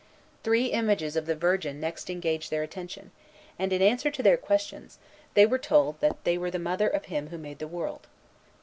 Three images of the Virgin next engaged their attention; and, in answer to their questions, they were told that they were the mother of Him who made the world.